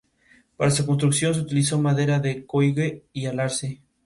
Llegó a ser muy conocido por su papel de Mr.